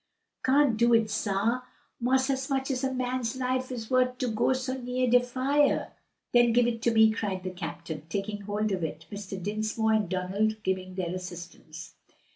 "Can't do it, sah! 'Mos' as much as a man's life is wuth to go so near de fire." "Then give it to me!" cried the captain, taking hold of it, Mr. Dinsmore and Donald giving their assistance.